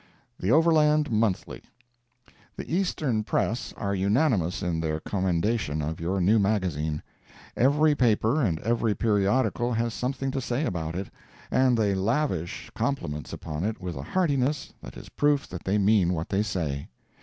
The "Overland Monthly." The Eastern press are unanimous in their commendation of your new magazine. Every paper and every periodical has something to say about it, and they lavish compliments upon it with a heartiness that is proof that they mean what they say.